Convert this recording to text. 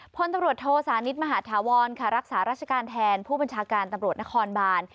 พลตำรวจโทสานิทมหาธาวรค่ะรักษาราชการแทนผู้บัญชาการตำรวจนครบาน